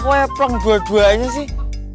kok ya peleng dua duanya sih